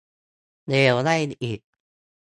เลวได้อีก